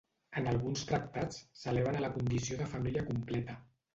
En alguns tractats, s'eleven a la condició de família completa.